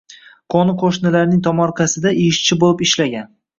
Qo‘ni-qo‘shnilarning tomorqasida ishchi bo’lib ishlagan.